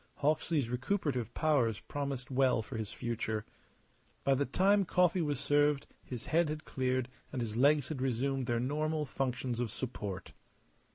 Hawksley's recuperative powers promised well for his future. By the time coffee was served his head had cleared and his legs had resumed their normal functions of support.